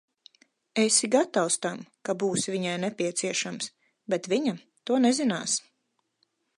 Esi gatavs tam, ka būsi viņai nepieciešams, bet viņa to nezinās.